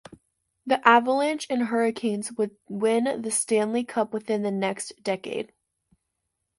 The Avalanche and Hurricanes would win the Stanley Cup within the next decade.